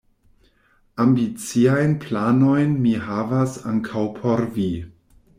Ambiciajn planojn mi havas ankaŭ por vi.